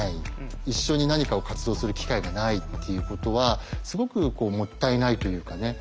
一緒に何かを活動する機会がないっていうことはすごくもったいないというかね。